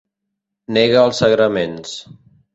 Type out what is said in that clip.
Nega els sagraments.